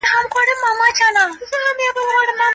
که انلاین زده کړه وسي ټولنیز تماس کم وي.